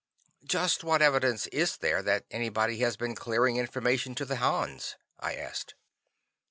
"Just what evidence is there that anybody has been clearing information to the Hans?" I asked.